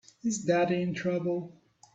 Is Daddy in trouble?